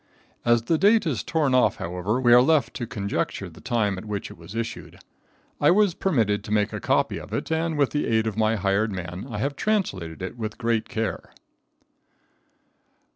As the date is torn off however, we are left to conjecture the time at which it was issued. I was permitted to make a copy of it, and with the aid of my hired man, I have translated it with great care.